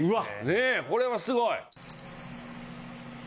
ねぇこれはすごい！